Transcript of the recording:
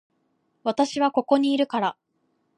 私はここにいるから